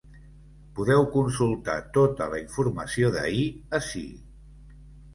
Podeu consultar tota la informació d’ahir ací.